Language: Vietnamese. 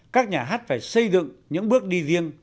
các nhà hát phải xây dựng những bước đi riêng